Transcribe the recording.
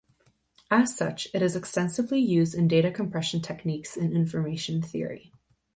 As such, it is extensively used in data compression techniques in information theory.